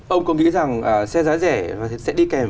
ông có nghĩ rằng xe giá rẻ và sẽ đi kèm